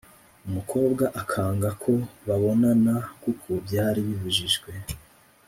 umukobwa akanga ko babonana kuko byari bibujijwe